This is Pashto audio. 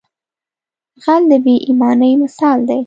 غل د بې ایمانۍ مثال دی